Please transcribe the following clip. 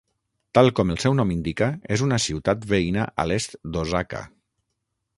Tal com el seu nom indica és una ciutat veïna a l'est d'Osaka.